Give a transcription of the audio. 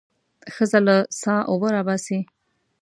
ښځه له څاه اوبه راباسي.